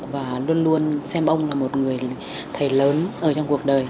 và luôn luôn xem ông là một người thầy lớn ở trong cuộc đời